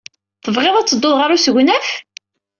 Tebɣid ad teddud ɣer usegnaf?